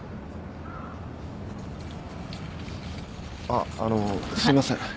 あっあのすいません。